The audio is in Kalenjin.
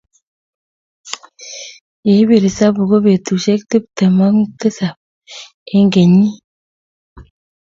ye ipir esabu ko betushe tepte m ak tisap eng kenyii